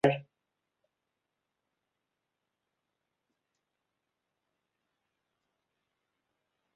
Mae menyw gwallt golau yn bwyta mewn bwyty prysur